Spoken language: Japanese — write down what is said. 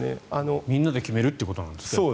みんなで決めるということですね